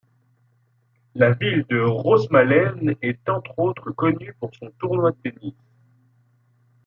La ville de Rosmalen est entre autres connue pour son tournoi de tennis.